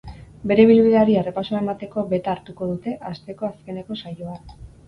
Bere ibilbideari errepasoa emateko beta hartuko dute asteko azkeneko saioan.